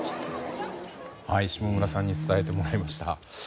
下村さんに伝えてもらいました。